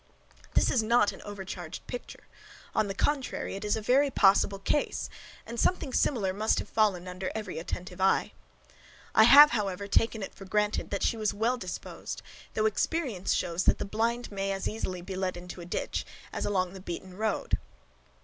This is not an overcharged picture; on the contrary, it is a very possible case, and something similar must have fallen under every attentive eye. I have, however, taken it for granted, that she was well disposed, though experience shows, that the blind may as easily be led into a ditch as along the beaten road.